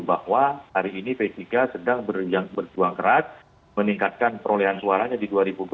bahwa hari ini p tiga sedang berjuang keras meningkatkan perolehan suaranya di dua ribu dua puluh